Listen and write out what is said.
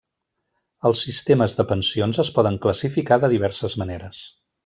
Els sistemes de pensions es poden classificar de diverses maneres.